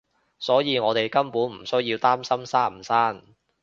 所以我哋根本唔需要擔心生唔生